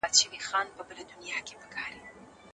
که تدریس مثالونه ولري، موضوع پېچلې نه ښکاري.